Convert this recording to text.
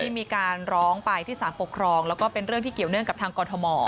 มีการร้องไปที่สารปกครองแล้วก็เป็นเรื่องที่เกี่ยวเนื่องกับทางกรทม